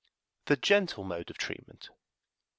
The Gentle Mode of Treatment.